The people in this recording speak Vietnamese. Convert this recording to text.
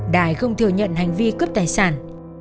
đài không thừa nhận hành vi cướp tài sản